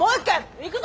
行くぞ！